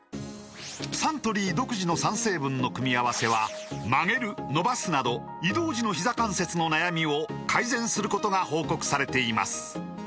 サントリー独自の３成分の組み合わせは曲げる伸ばすなど移動時のひざ関節の悩みを改善することが報告されています